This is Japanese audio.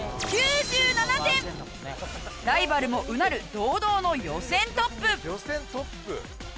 ライバルも唸る堂々の予選トップ！